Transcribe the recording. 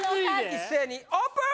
一斉にオープン！